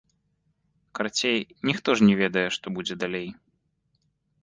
Карацей, ніхто ж не ведае, што будзе далей.